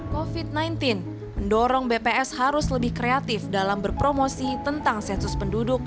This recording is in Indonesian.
covid sembilan belas mendorong bps harus lebih kreatif dalam berpromosi tentang sensus penduduk